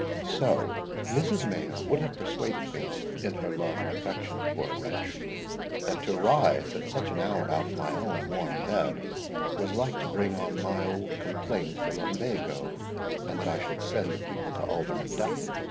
"So Mrs. Mayor would have persuaded me, in her love and affection, poor wretch, that to rise at such an hour out of my own warm bed, was like to bring on my old complaint the lumbago, and that I should send the people to Alderman Dutton.